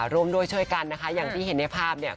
ร่วมด้วยช่วยกันนะคะอย่างที่เห็นในภาพเนี่ย